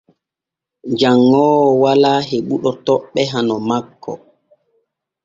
Janŋoowo walaa heɓuɗo toɓɓe hano makko.